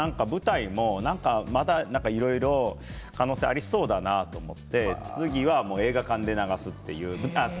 舞台をやって、なんかいろいろ可能性がありそうだなと思って次は映画館で流すという。